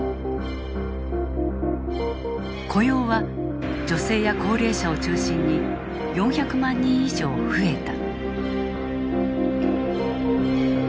雇用は女性や高齢者を中心に４００万人以上増えた。